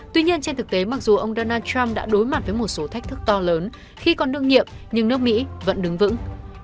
tuy nhiên trên thực tế mặc dù ông donald trump đã đối mặt với một số thách thức to lớn khi còn đương nhiệm nhưng nước mỹ vẫn đứng vững